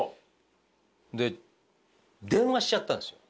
で電話しちゃったんですよ。